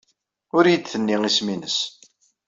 Ur iyi-d-tenni isem-nnes.